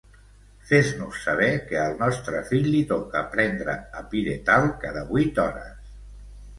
Fes-nos saber que al nostre fill li toca prendre Apiretal cada vuit hores.